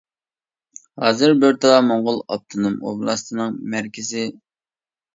ھازىر بورتالا موڭغۇل ئاپتونوم ئوبلاستىنىڭ مەركىزى.